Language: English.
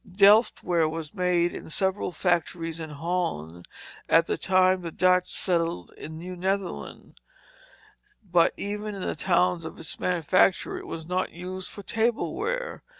Delft ware was made in several factories in Holland at the time the Dutch settled in New Netherland; but even in the towns of its manufacture it was not used for table ware.